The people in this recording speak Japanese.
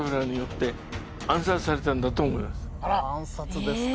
暗殺ですか。